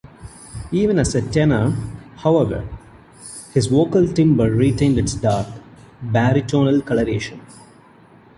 Even as a tenor, however, his vocal timbre retained its dark, baritonal colouration.